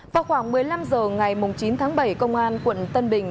vào khoảng một mươi năm h ngày chín tháng bảy công an quận tân bình